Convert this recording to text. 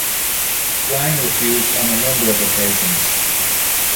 Wang refused on a number of occasions.